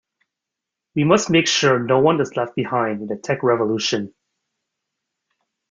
We must make sure no one is left behind in the tech revolution.